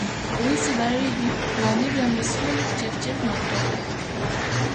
Kuhisi baridi maumivu ya misuli kichefuchefu na kutapika